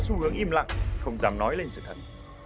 xu hướng im lặng không dám nói lên sự thật